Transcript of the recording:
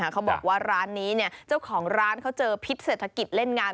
เขาบอกว่าร้านนี้เจ้าของร้านเขาเจอพิษเศรษฐกิจเล่นงาน